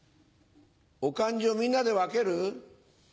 「お勘定みんなで分ける？」。